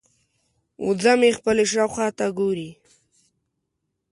وزه مې خپلې شاوخوا ته ګوري.